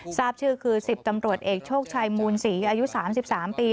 ทราบชื่อคือ๑๐ตำรวจเอกโชคชัยมูลศรีอายุ๓๓ปี